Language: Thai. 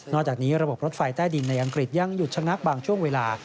จากนี้ระบบรถไฟใต้ดินในอังกฤษยังหยุดชะงักบางช่วงเวลา